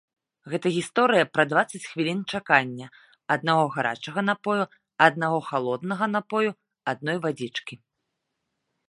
Гэта гісторыя пра дваццаць хвілін чакання аднаго гарачага напою, аднаго халоднага напою, адной вадзічкі.